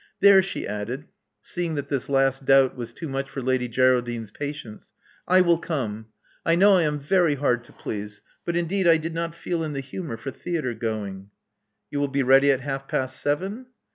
There," she added, seeing that this last doubt was too much for Lady Geraldiite's patience: I will come. I know I am very hard to please; but indeed I did not feel in the humor for theatre going." You will be ready at half past seven?"